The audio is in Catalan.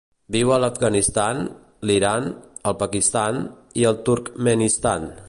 Viu a l'Afganistan, l'Iran, el Pakistan i el Turkmenistan.